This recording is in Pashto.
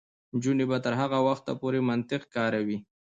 نجونې به تر هغه وخته پورې منطق کاروي.